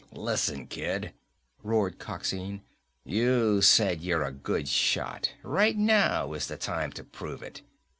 "Listen, Kid!" roared Coxine. "You said you're a good shot. Right now is the time to prove it.